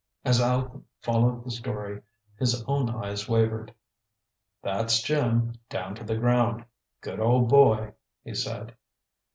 As Aleck followed the story, his own eyes wavered. "That's Jim, down to the ground. Good old boy!" he said.